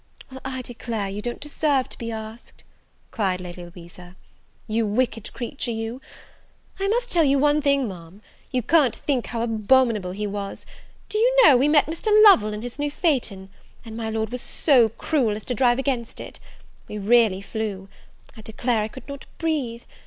"Well, I declare you don't deserve to be asked," cried Lady Louisa, "you wicked creature you! I must tell you one thing, Ma'am, you can't think how abominable he was! do you know we met Mr. Lovel in his new phaeton, and my Lord was so cruel as to drive against it? we really flew. I declare I could not breathe.